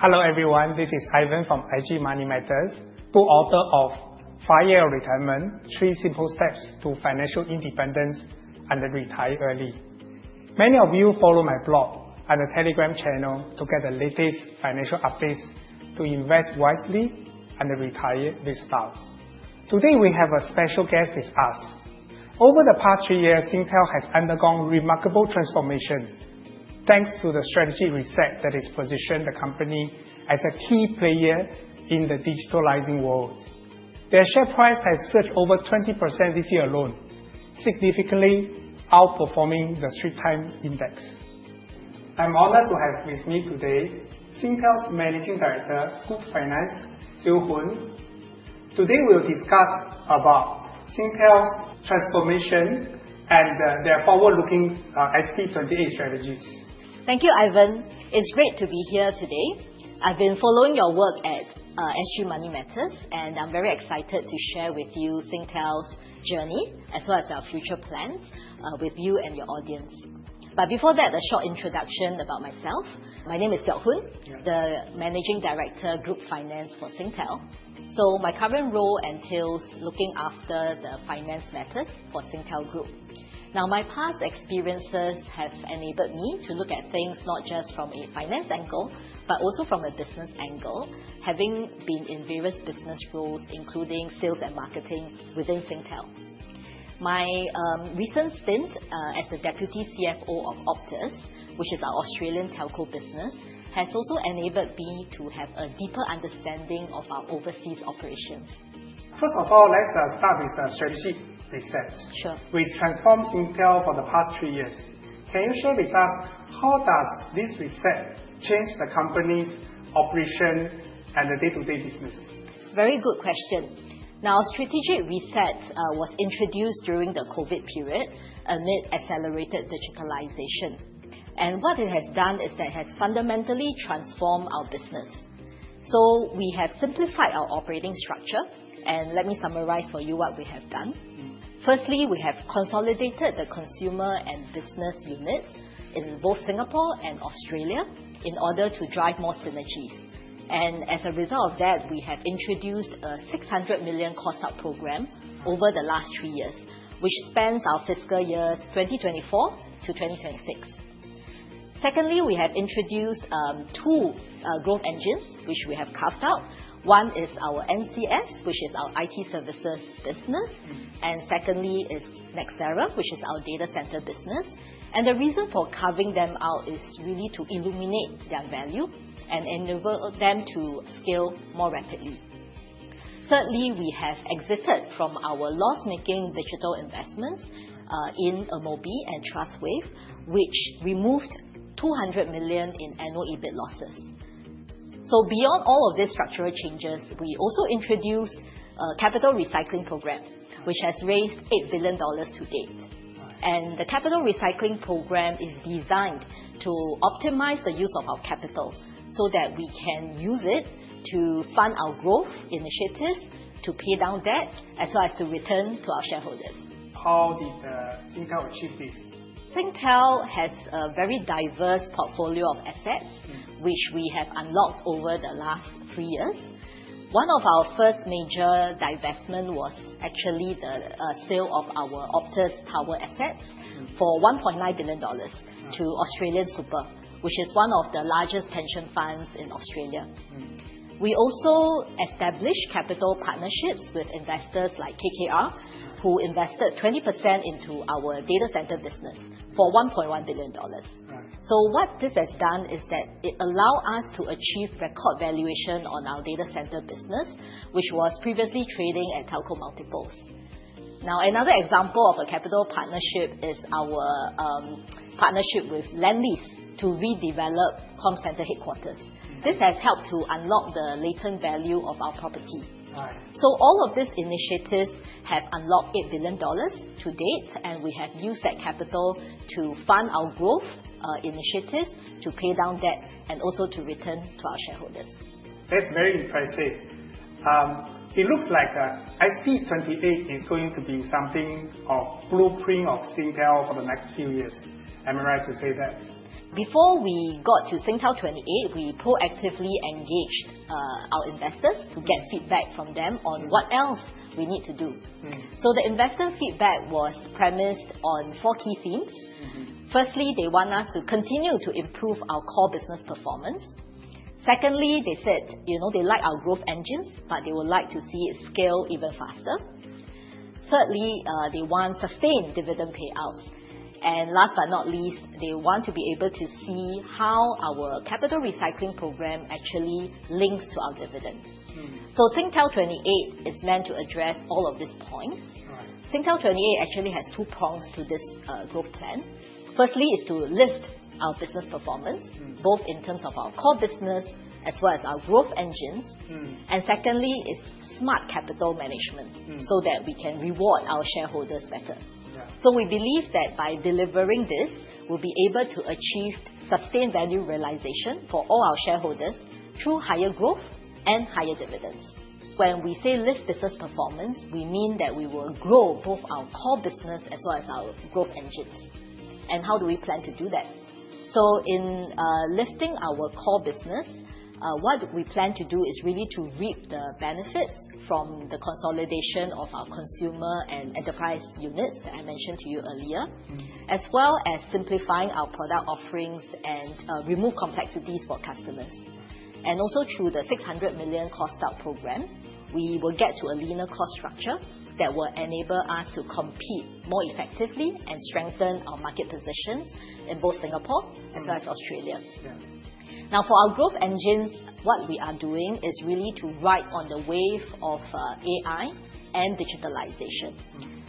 Hello, everyone. This is Ivan from SG Money Matters, book author of "F.I.R.E. Your Retirement: 3 Simple Steps to Financial Independence and Retire Early." Many of you follow my blog and the Telegram channel to get the latest financial updates to invest wisely and retire with style. Today, we have a special guest with us. Over the past three years, Singtel has undergone remarkable transformation thanks to the strategic reset that has positioned the company as a key player in the digitalizing world. Their share price has surged over 20% this year alone, significantly outperforming the Straits Times Index. I'm honored to have with me today Singtel's Managing Director, Group Finance, Seow Hoon. Today, we'll discuss about Singtel's transformation and their forward-looking ST28 strategies. Thank you, Ivan. It's great to be here today. I've been following your work at SG Money Matters, and I'm very excited to share with you Singtel's journey, as well as our future plans with you and your audience. Before that, a short introduction about myself. My name is Seow Hoon. Yeah. I am the Managing Director, Group Finance for Singtel. My current role entails looking after the finance matters for Singtel Group. Now, my past experiences have enabled me to look at things not just from a finance angle, but also from a business angle, having been in various business roles, including sales and marketing within Singtel. My recent stint as a Deputy CFO of Optus, which is our Australian telco business, has also enabled me to have a deeper understanding of our overseas operations. First of all, let's start with strategic reset. Sure which transformed Singtel for the past three years. Can you share with us how does this reset change the company's operation and the day-to-day business? Very good question. Now, strategic reset was introduced during the COVID period amid accelerated digitalization. What it has done is it has fundamentally transformed our business. We have simplified our operating structure, and let me summarize for you what we have done. Firstly, we have consolidated the consumer and business units in both Singapore and Australia in order to drive more synergies. As a result of that, we have introduced a 600 million cost cut program over the last three years, which spans our fiscal years 2024 to 2026. Secondly, we have introduced two growth engines, which we have carved out. One is our NCS, which is our IT services business, and secondly is Nxera, which is our data center business. The reason for carving them out is really to illuminate their value and enable them to scale more rapidly. Thirdly, we have exited from our loss-making digital investments in Amobee and Trustwave, which removed 200 million in annual EBIT losses. Beyond all of these structural changes, we also introduced a capital recycling program, which has raised 8 billion dollars to date. Wow. The capital recycling program is designed to optimize the use of our capital so that we can use it to fund our growth initiatives, to pay down debt, as well as to return to our shareholders. How did Singtel achieve this? Singtel has a very diverse portfolio of assets. which we have unlocked over the last three years. One of our first major divestment was actually the sale of our Optus Tower assets for 1.9 billion dollars to AustralianSuper, which is one of the largest pension funds in Australia. We also established capital partnerships with investors like KKR, who invested 20% into our data center business for 1.1 billion dollars. Right. What this has done is that it allow us to achieve record valuation on our data center business, which was previously trading at telco multiples. Another example of a capital partnership is our partnership with Lendlease to redevelop Comcentre headquarters. This has helped to unlock the latent value of our property. Right. All of these initiatives have unlocked SGD 8 billion to date, and we have used that capital to fund our growth initiatives, to pay down debt, and also to return to our shareholders. That's very impressive. It looks like ST28 is going to be something of blueprint of Singtel for the next few years. Am I right to say that? Before we got to Singtel28, we proactively engaged our investors to get feedback from them on what else we need to do. The investor feedback was premised on four key themes. Firstly, they want us to continue to improve our core business performance. Secondly, they said they like our growth engines, but they would like to see it scale even faster. Thirdly, they want sustained dividend payouts. Last but not least, they want to be able to see how our capital recycling program actually links to our dividend. Singtel28 is meant to address all of these points. Right. Singtel28 actually has two prongs to this growth plan. Firstly is to lift our business performance. Both in terms of our core business as well as our growth engines. Secondly is smart capital management. That we can reward our shareholders better. Yeah. We believe that by delivering this, we'll be able to achieve sustained value realization for all our shareholders through higher growth and higher dividends. When we say lift business performance, we mean that we will grow both our core business as well as our growth engines. How do we plan to do that? In lifting our core business, what we plan to do is really to reap the benefits from the consolidation of our consumer and enterprise units that I mentioned to you earlier, as well as simplifying our product offerings and remove complexities for customers. Also through the 600 million cost out program, we will get to a leaner cost structure that will enable us to compete more effectively and strengthen our market positions in both Singapore as well as Australia. Yeah. For our growth engines, what we are doing is really to ride on the wave of AI and digitalization.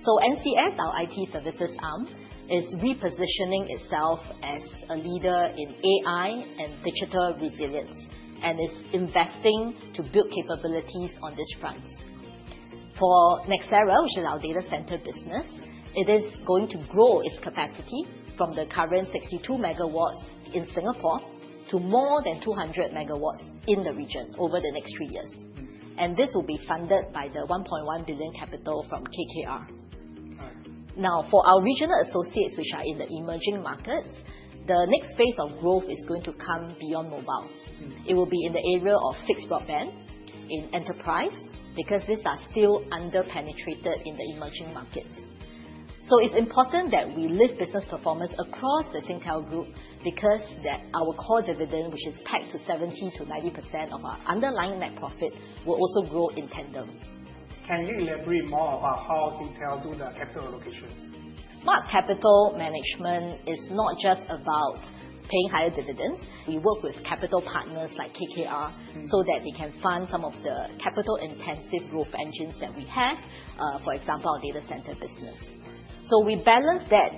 NCS, our IT services arm, is repositioning itself as a leader in AI and digital resilience and is investing to build capabilities on these fronts. For Nxera, which is our data center business, it is going to grow its capacity from the current 62 megawatts in Singapore to more than 200 megawatts in the region over the next three years. This will be funded by the 1.1 billion capital from KKR. All right. For our regional associates, which are in the emerging markets, the next phase of growth is going to come beyond mobile. It will be in the area of fixed broadband in enterprise because these are still under-penetrated in the emerging markets. It's important that we lift business performance across the Singtel Group because our core dividend, which is pegged to 70%-90% of our underlying net profit, will also grow in tandem. Can you elaborate more about how Singtel do the capital allocations? Smart capital management is not just about paying higher dividends. We work with capital partners like KKR so that they can fund some of the capital-intensive growth engines that we have, for example, our data center business. We balance that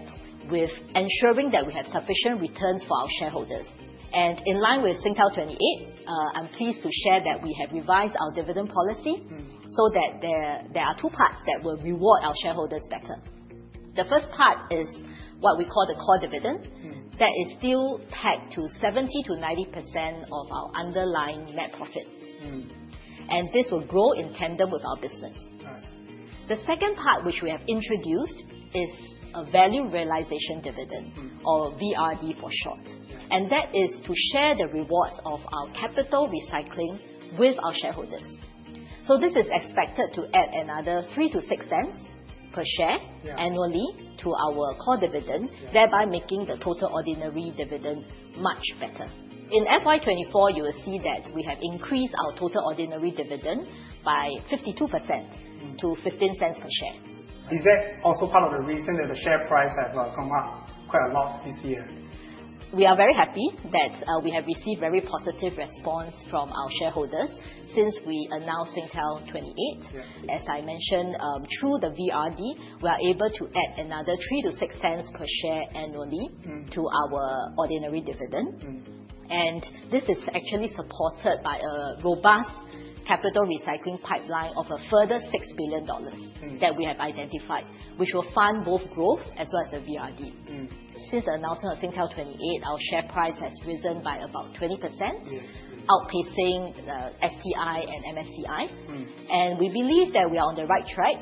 with ensuring that we have sufficient returns for our shareholders. In line with Singtel28, I'm pleased to share that we have revised our dividend policy so that there are two parts that will reward our shareholders better. The first part is what we call the core dividend. That is still pegged to 70%-90% of our underlying net profits. This will grow in tandem with our business. All right. The second part, which we have introduced, is a value realisation dividend, or VRD for short, and that is to share the rewards of our capital recycling with our shareholders. This is expected to add another 0.03 to 0.06 per share annually to our core dividend, thereby making the total ordinary dividend much better. In FY 2024, you will see that we have increased our total ordinary dividend by 52% to 0.15 per share. Is that also part of the reason that the share price has come up quite a lot this year? We are very happy that we have received very positive response from our shareholders since we announced Singtel28. As I mentioned, through the VRD, we are able to add another 0.03-0.06 per share annually to our ordinary dividend. This is actually supported by a robust capital recycling pipeline of a further 6 billion dollars that we have identified, which will fund both growth as well as the VRD. Since the announcement of Singtel28, our share price has risen by about 20%, outpacing the STI and MSCI, and we believe that we are on the right track.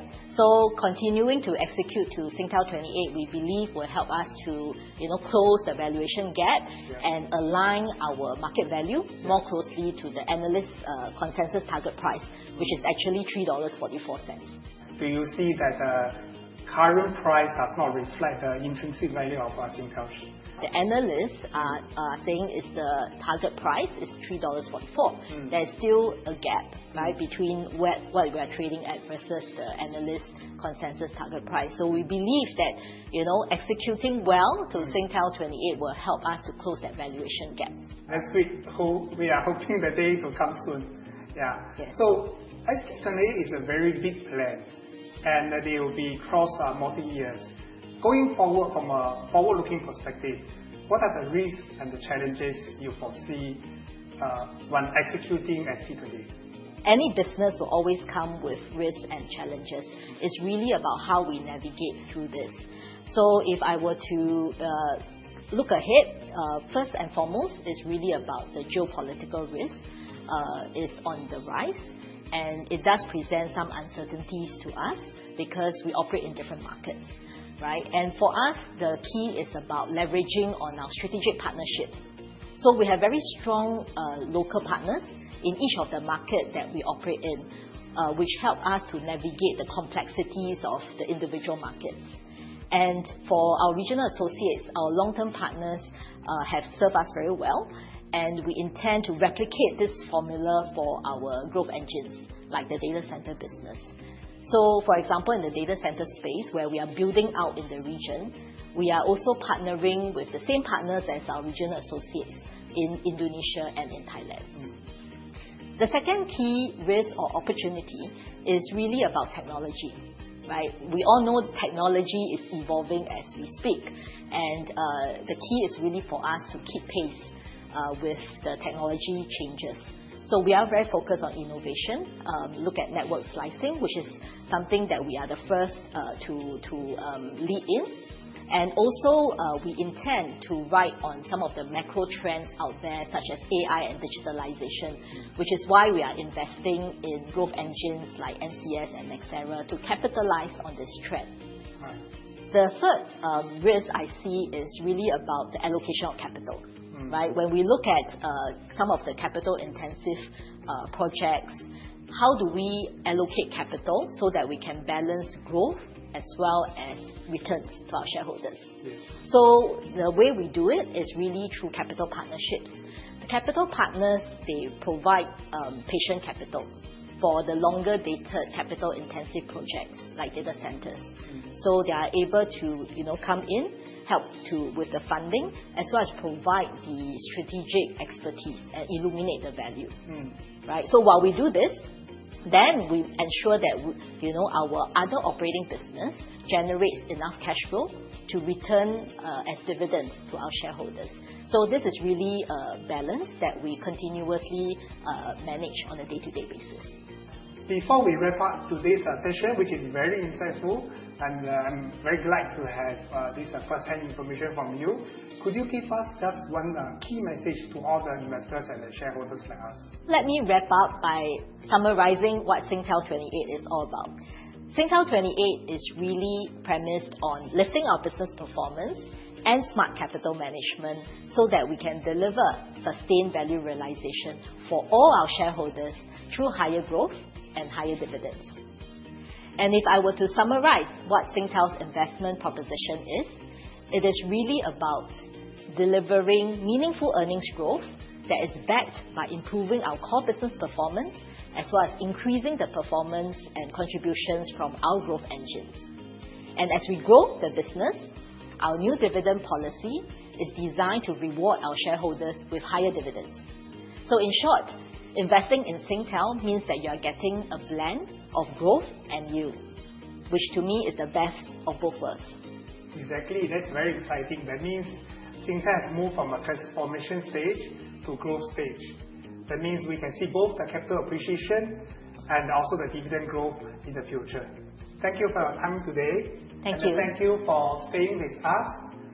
Continuing to execute to Singtel28, we believe will help us to close the valuation gap and align our market value more closely to the analyst consensus target price, which is actually 3.44 dollars. Do you see that the current price does not reflect the intrinsic value of Singtel? The analysts are saying the target price is 3.44 dollars. There's still a gap between what we're trading at versus the analyst consensus target price. We believe that executing well to Singtel28 will help us to close that valuation gap. That's great. We are hoping the day will come soon. Yeah. Singtel28 is a very big plan, and it will be across multi-years. Going forward, from a forward-looking perspective, what are the risks and the challenges you foresee when executing Singtel28? Any business will always come with risks and challenges. It's really about how we navigate through this. If I were to look ahead, first and foremost, it's really about the geopolitical risk. It's on the rise, and it does present some uncertainties to us because we operate in different markets. For us, the key is about leveraging on our strategic partnerships. We have very strong local partners in each of the markets that we operate in, which help us to navigate the complexities of the individual markets. For our regional associates, our long-term partners have served us very well, and we intend to replicate this formula for our growth engines, like the data centre business. For example, in the data centre space where we are building out in the region, we are also partnering with the same partners as our regional associates in Indonesia and in Thailand. The second key risk or opportunity is really about technology. Right? We all know technology is evolving as we speak, and the key is really for us to keep pace with the technology changes. We are very focused on innovation. Look at network slicing, which is something that we are the first to lead in. Also, we intend to ride on some of the macro trends out there, such as AI and digitalization, which is why we are investing in growth engines like NCS and Nxera to capitalize on this trend. Right. The third risk I see is really about the allocation of capital. Right? When we look at some of the capital intensive projects, how do we allocate capital so that we can balance growth as well as returns to our shareholders? Yes. The way we do it is really through capital partnerships. The capital partners, they provide patient capital for the longer-dated capital intensive projects like data centers. They are able to come in, help with the funding, as well as provide the strategic expertise and illuminate the value. Right? While we do this, we ensure that our other operating business generates enough cash flow to return as dividends to our shareholders. This is really a balance that we continuously manage on a day-to-day basis. Before we wrap up today's session, which is very insightful, and I'm very glad to have this firsthand information from you, could you give us just one key message to all the investors and the shareholders like us? Let me wrap up by summarizing what Singtel28 is all about. Singtel28 is really premised on lifting our business performance and smart capital management, so that we can deliver sustained value realisation for all our shareholders through higher growth and higher dividends. If I were to summarize what Singtel's investment proposition is, it is really about delivering meaningful earnings growth that is backed by improving our core business performance, as well as increasing the performance and contributions from our growth engines. As we grow the business, our new dividend policy is designed to reward our shareholders with higher dividends. In short, investing in Singtel means that you are getting a blend of growth and yield, which to me is the best of both worlds. Exactly. That's very exciting. That means Singtel have moved from a transformation stage to growth stage. That means we can see both the capital appreciation and also the dividend growth in the future. Thank you for your time today. Thank you. Thank you for staying with us.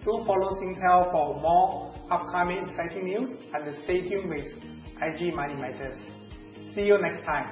Do follow Singtel for more upcoming exciting news, and stay tuned with SG Money Matters. See you next time.